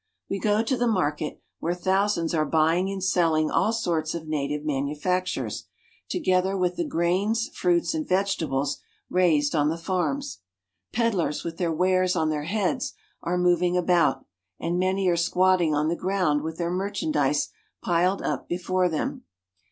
We go to the market, where thousands are buying and selling all sorts of native manufactures, together with the grains, fruits, and vegetables raised on the farms. Peddlers with their wares on their heads are moving about, and many are squatting on the ground with their merchandise piled up before them.